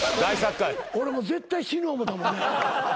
俺もう絶対死ぬ思うたもんね。